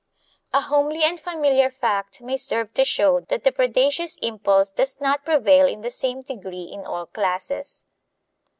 A homely and familiar fact may serve to show that the predaceous impulse does not prevail in the same degree in all classes.